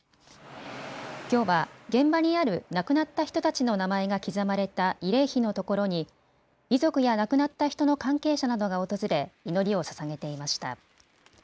きょうは現場にある亡くなった人たちの名前が刻まれた慰霊碑のところに遺族や亡くなった人の関係者などが訪れ、祈りをささげていました。